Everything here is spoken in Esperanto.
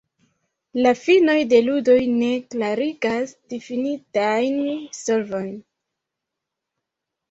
La finoj de ludoj ne klarigas difinitajn solvojn.